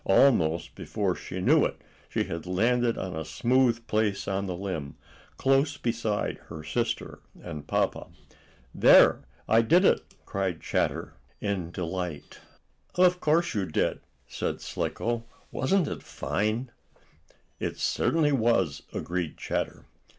Almost before she knew it, she had landed on a smooth place on the limb, close beside her sister and papa. "There! I did it!" cried Chatter, in delight. "Of course you did!" said Slicko. "Wasn't it fine?" "It certainly was," agreed Chatter.